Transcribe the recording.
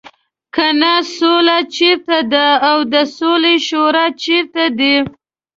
کنه سوله چېرته ده او د سولې شورا چېرته ده.